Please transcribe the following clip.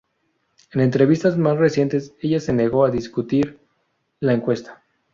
En entrevistas más recientes ella se negó a discutir la encuesta.